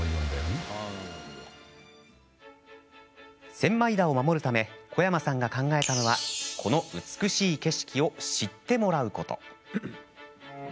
千枚田を守るため小山さんが考えたのはこの美しい景色を知ってもらうこと。